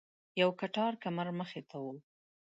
یو کټار کمر مخې ته و.